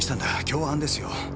共犯ですよ。